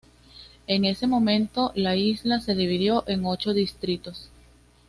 En ese momento la isla se dividió en ocho distritos.